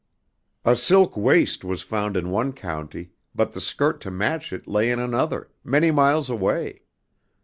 A silk waist was found in one county, but the skirt to match it lay in another, many miles away.